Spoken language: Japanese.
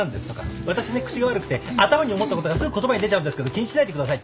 「私ね口が悪くて頭に思ったことがすぐ言葉に出ちゃうんですけど気にしないでください」って。